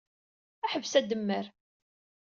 Ḥbes ademmer.